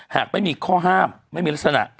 หากไม่มีข้อห้ามไม่มีลักษณะ